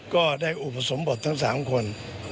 ก็ได้อุปสมบททั้ง๓คน